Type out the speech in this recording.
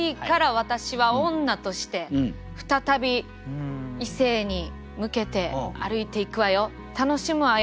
「私は女として再び異性に向けて歩いていくわよ楽しむわよ